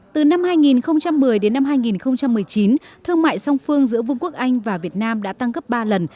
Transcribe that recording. từ năm hai nghìn một mươi đến năm hai nghìn một mươi chín thương mại song phương giữa vương quốc anh và việt nam đã tăng gấp ba lần